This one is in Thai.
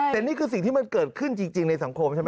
แต่นี่คือสิ่งที่มันเกิดขึ้นจริงในสังคมใช่ไหม